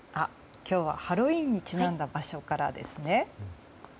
今日はハロウィーンにちなんだ場所からですね。